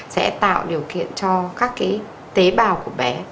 sẽ tạo điều kiện cho các cái tế bào của bé